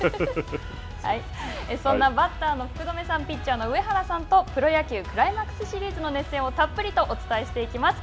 そんなバッターの福留さんピッチャーの上原さんとプロ野球クライマックスシリーズの熱戦をたっぷりとお伝えしていきます。